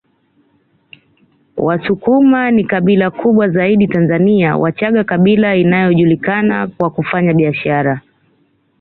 Wasukuma ni kabila kubwa zaidi Tanzania Wachaga kabila inayojulikana kwa kufanya biashara